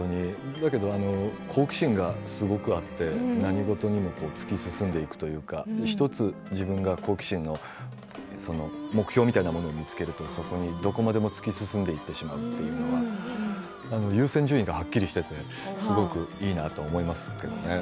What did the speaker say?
だけど好奇心がすごくあって何事にも突き進んでいくというか１つ、自分が好奇心の目標みたいなものを見つけるとそこにどこまでも突き進んでいってしまうというか優先順位がはっきりしていてすごくいいなと思いますけどね。